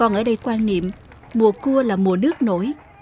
con ở đây quan niệm mùa cua là mùa nước nổi